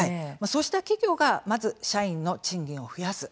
そうした企業がまず社員の賃金を増やす。